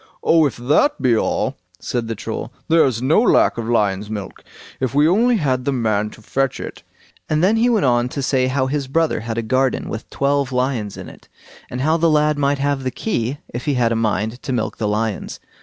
"Oh! if that be all", said the Troll, "there's no lack of lion's milk, if we only had the man to fetch it"; and then he went on to say how his brother had a garden with twelve lions in it, and how the lad might have the key if he had a mind to milk the lions.